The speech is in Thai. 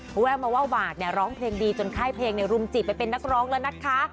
เพราะแวะว่ามาร์กร้องเพลงดีจนไข้เพลงในรุมจีบไปเป็นนักร้องแล้วนะคะ